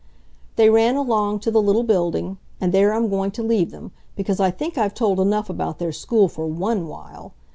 They ran along to the little building, and there I'm going to leave them, because I think I've told enough about their school for ONE while.